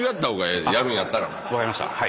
分かりました。